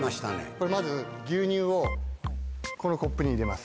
これまず牛乳をこのコップに入れます。